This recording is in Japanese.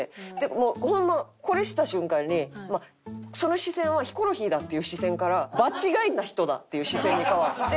もうホンマこれした瞬間にその視線はヒコロヒーだっていう視線から場違いな人だっていう視線に変わって。